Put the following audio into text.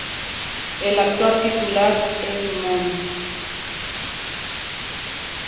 El actual titular es Mons.